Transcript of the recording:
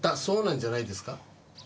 そうなんじゃないですか？